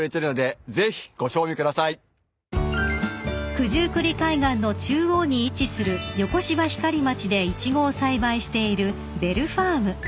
［九十九里海岸の中央に位置する横芝光町でイチゴを栽培しているＢＥＬＬＦＡＲＭ］